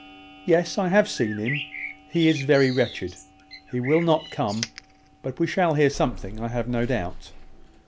"Yes; I have seen him. He is very wretched. He will not come, but we shall hear something, I have no doubt.